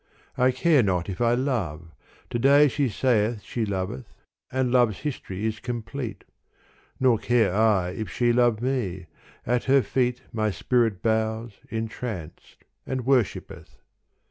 I care not if I love : to day she saith She loveth, and love's history is complete. Nor care I if she love me : at her feet My spirit bows entranced and worshippeth.